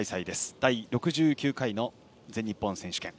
第６９回の全日本選手権。